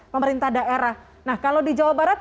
pemerintah daerah nah kalau di jawa barat